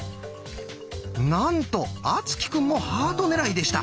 なんと敦貴くんもハート狙いでした。